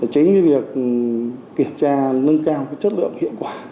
chính cái việc kiểm tra nâng cao chất lượng hiệu quả